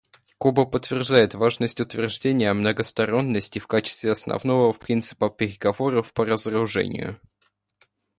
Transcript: Куба подтверждает важность утверждения многосторонности в качестве основного принципа переговоров по разоружению.